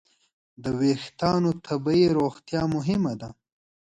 د وېښتیانو طبیعي روغتیا مهمه ده.